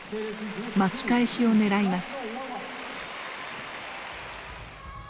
巻き返しをねらいます。